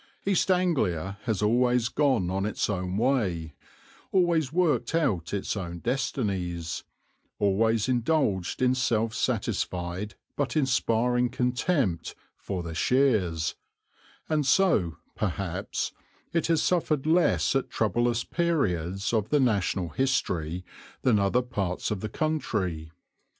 East Anglia has always gone on its own way, always worked out its own destinies, always indulged in self satisfied but inspiring contempt for "the Sheres"; and so, perhaps, it has suffered less at troublous periods of the national history than other parts of the country.